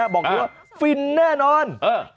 บอกเลยว่าฟินแน่นอน